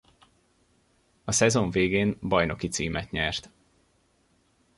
A szezon végén bajnoki címet nyert.